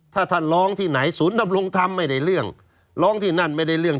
ถ้าท่านร้องที่ไหนศูนย์ดำรงธรรมไม่ได้เรื่องร้องที่นั่นไม่ได้เรื่อง